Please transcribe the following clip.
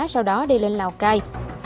sau đó đi lên lào cai